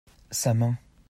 sa main.